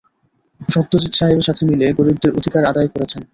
সত্যজিৎ সাহেবের সাথে মিলে, গরীবদের অধিকার আদায় করেছেন।